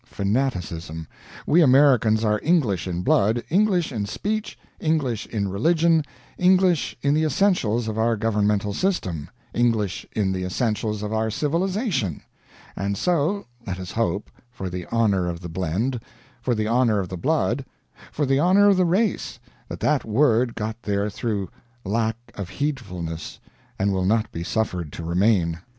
Fanaticism. We Americans are English in blood, English in speech, English in religion, English in the essentials of our governmental system, English in the essentials of our civilization; and so, let us hope, for the honor of the blend, for the honor of the blood, for the honor of the race, that that word got there through lack of heedfulness, and will not be suffered to remain.